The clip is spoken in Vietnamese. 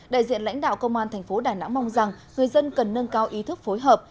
đại diện lãnh đạo công an thành phố đà nẵng mong rằng người dân cần nâng cao ý thức phối hợp